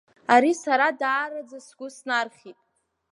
Ари сара даараӡа сгәы снархьит.